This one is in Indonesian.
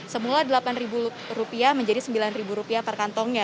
semula rp delapan menjadi rp sembilan per kantongnya